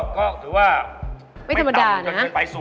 ก็ถือว่าไม่ต่ำก็จะไปสูงนะ